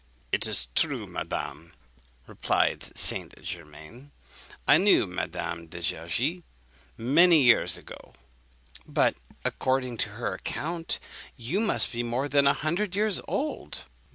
"'It is true, madame,' replied St. Germain; 'I knew Madame de Gergy many years ago.' "'But, according to her account, you must be more than a hundred years old?'